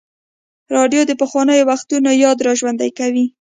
راډیو د پخوانیو وختونو یاد راژوندی کوي.